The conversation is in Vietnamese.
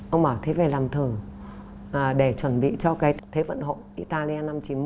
ông bảo thế về làm thử để chuẩn bị cho cái thế vận hội italia năm trăm chín mươi một